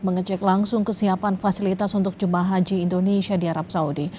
mengecek langsung kesiapan fasilitas untuk jemaah haji indonesia di arab saudi